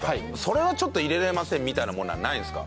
それはちょっと入れられませんみたいなものはないんですか？